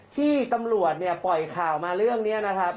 ที่ตำรวจเนี่ยปล่อยข่าวมาเรื่องนี้นะครับ